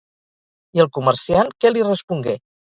I el comerciant què li respongué?